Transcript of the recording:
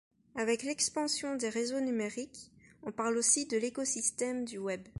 Avec l'expansion des réseaux numériques, on parle aussi de l'écosystème du web.